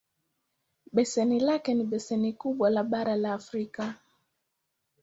Beseni lake ni beseni kubwa le bara la Afrika.